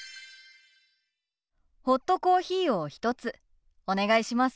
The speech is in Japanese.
ホットコーヒーを１つお願いします。